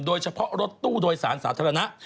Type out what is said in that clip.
โดยเฉพาะรถตู้โดยสารสาธารณะ